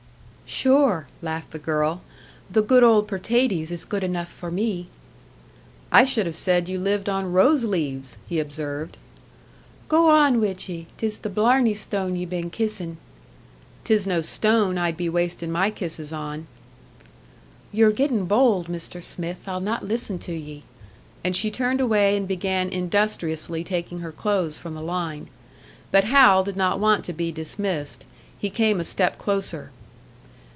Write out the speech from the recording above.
"Sure," laughed the girl, "the good old pertaties is good enough for me." "I should have said you lived on rose leaves!" he observed. "Go on wid ye! 'Tis the blarney stone ye been kissin'!" "'Tis no stone I'd be wastin' my kisses on." "Ye're gettin' bold, Mister Smith. I'll not listen to ye." And she turned away, and began industriously taking her clothes from the line. But Hal did not want to be dismissed. He came a step closer.